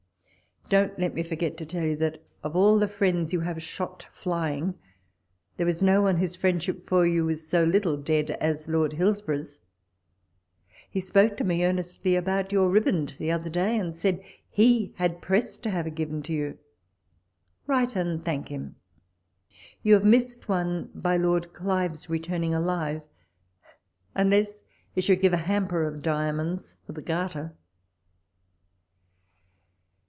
Don't let me forget to tell you, that of all the friends you have shot flying, there is no one whose friendship for you is so little dead as Lord Hillsborough's. He spoke to me earnestly about your Riband the other day, and said he had pressed to have it given to you. Write and thank him. You have missed one by Lord Clive's returning aliye, unless he should give a hamper of diamonds for the Garter.